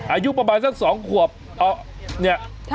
อายุประมาณสัก๒ขวบเนี่ย